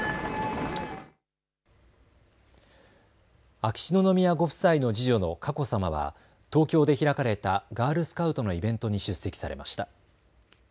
秋篠宮ご夫妻の次女の佳子さまは東京で開かれたガールスカウトのイベントに出席されました。